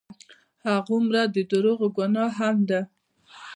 هغومره د دروغو ګناه هم ده.